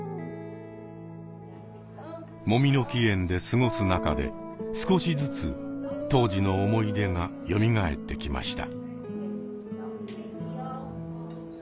もみの木苑で過ごす中で少しずつ当時の思い出がよみがえってきました。